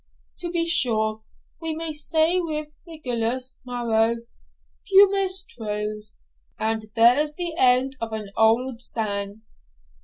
To be sure we may say with Virgilius Maro, Fuimus Troes and there's the end of an auld sang.